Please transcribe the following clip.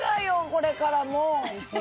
これからもう！